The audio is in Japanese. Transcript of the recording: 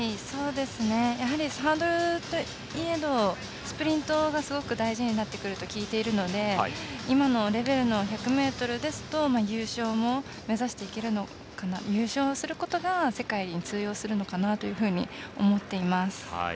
やはりハードルといえどスプリントがすごく大事になってくると聞いているので今のレベルの１００ｍですと優勝することが世界に通用するのかなというふうに思っています。